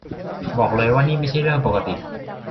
บอกเลยว่านี่ไม่ใช่เรื่องปกติ